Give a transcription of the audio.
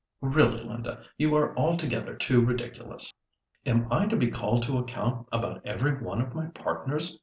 "Really Linda, you are altogether too ridiculous. Am I to be called to account about every one of my partners?